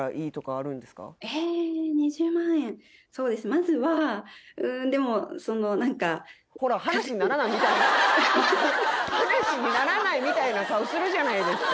まずはうんでも何か話にならないみたいな顔するじゃないですか